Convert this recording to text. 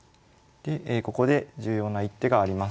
でここで重要な一手があります。